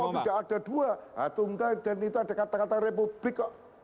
kalau tidak ada dua nah tunggal dan itu ada kata kata republik kok